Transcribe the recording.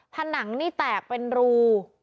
ผนังนี่แตกเป็นรู